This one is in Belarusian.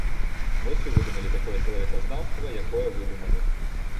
Вось і выдумалі такое чалавеказнаўства, якое выдумалі.